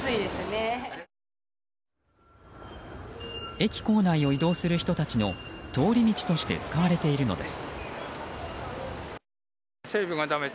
駅構内を移動する人たちの通り道として使われているのです。